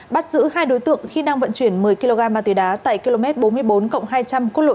bắt giữ hai đối tượng khi đang vận chuyển một mươi kg ma tùy đá tại km bốn mươi bốn hai trăm linh cốt lộ chín